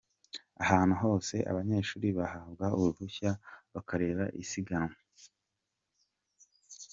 Ahantu hose abanyeshuli bahabwa uruhushya bakareba isiganwa.